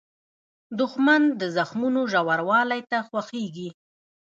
دښمن د زخمونو ژوروالۍ ته خوښیږي